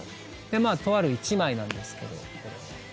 とある１枚なんですけど。